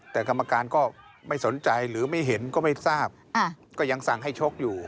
แต่กรรมการก็ไม่สนใจหรือไม่เห็นก็ไม่ทราบก็ยังสั่งให้ชกอยู่